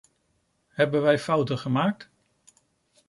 Hebben wij fouten gemaakt?